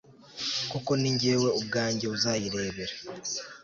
koko ni jyewe ubwanjye uzayirebera